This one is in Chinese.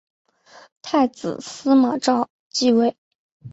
太子司马绍即位。